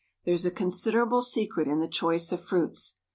There's a considerable secret in the choice of fruits.